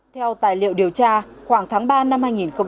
theo tài liệu điều tra khoảng tháng ba năm hai nghìn hai mươi